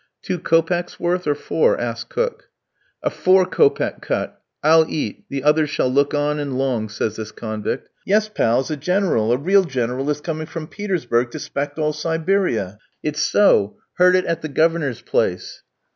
"Two kopecks' worth, or four?" asks cook. "A four kopeck cut; I'll eat, the others shall look on and long," says this convict. "Yes, pals, a general, a real general, is coming from Petersburg to 'spect all Siberia; it's so, heard it at the Governor's place."